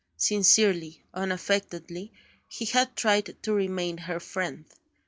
Sincerely, unaffectedly, he had tried to remain her friend.